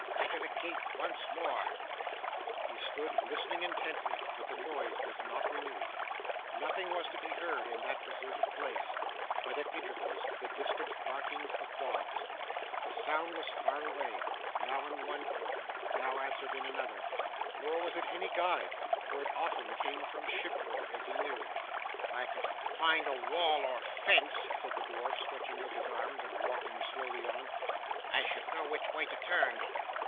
Batter the gate once more!' He stood listening intently, but the noise was not renewed. Nothing was to be heard in that deserted place, but, at intervals, the distant barkings of dogs. The sound was far away now in one quarter, now answered in another nor was it any guide, for it often came from shipboard, as he knew. 'If I could find a wall or fence,' said the dwarf, stretching out his arms, and walking slowly on, 'I should know which way to turn.